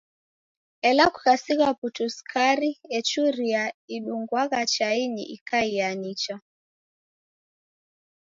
Ela kukasigha putu sukari echuria idungwagha chainyi ikaiaa nicha.